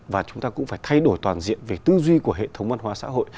và chúng ta cũng phải thay đổi toàn diện về tư duy của hệ thống văn hóa xã hội